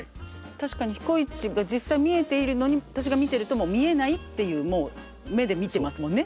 確かに彦市が実際見えているのに私が見てるともう見えないっていうもう目で見てますもんね。